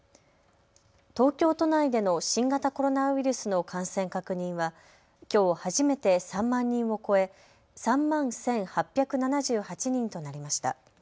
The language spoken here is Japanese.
東京都内での新型コロナウイルスの感染確認はきょう初めて３万人を超え３万１８７８人となりました。